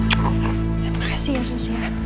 terima kasih ya sus ya